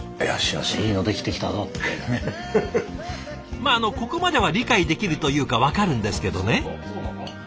まああのここまでは理解できるというか分かるんですけどね。